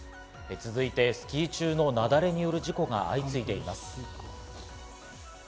続いて、スキー中の雪崩による事故が相次いでいます。